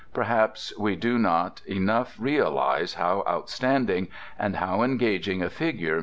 Perhaps we do not enough realize how outstanding and how engaging a figure Mr. Belloc is.